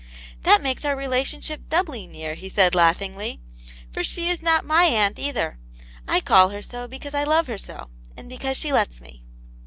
"That makes our relationship doubly near," he said, laughingly, " for she is not my aunt, either ; I call her so, because I love her so, and because she lets me."